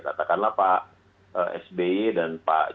katakanlah pak sbe dan pak isb